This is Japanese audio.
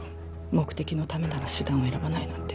目的のためなら手段を選ばないなんて